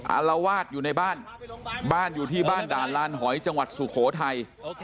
อารวาสอยู่ในบ้านบ้านอยู่ที่บ้านด่านลานหอยจังหวัดสุโขทัย